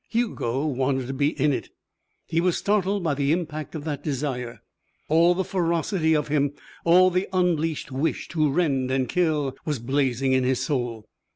Hugo wanted to be in it. He was startled by the impact of that desire. All the ferocity of him, all the unleashed wish to rend and kill, was blazing in his soul.